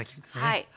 はい。